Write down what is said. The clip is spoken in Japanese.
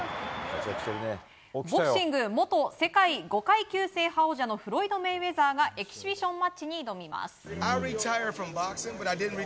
ボクシング元世界５回級制覇王者のフロイド・メイウェザーがエキシビションマッチに挑みます。